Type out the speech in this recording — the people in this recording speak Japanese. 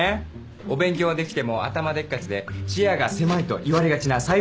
お勉強はできても頭でっかちで視野が狭いと言われがちな裁判官にとっては。